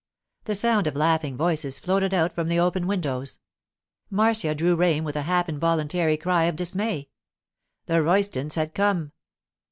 The sound of laughing voices floated out from the open windows. Marcia drew rein with a half involuntary cry of dismay. The Roystons had come.